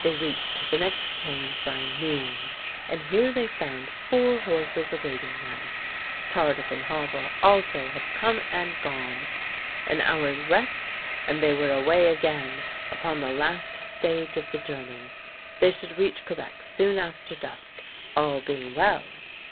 They reached the next change by noon, and here they found four horses awaiting them. Tardif and Havel also had come and gone. An hour's rest, and they were away again upon the last stage of the jour ney. They should reach Quebec soon after dusk, all being well.